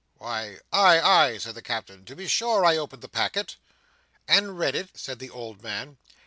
"Why, ay, ay," said the Captain. "To be sure, I opened the packet." "And read it?" said the old man.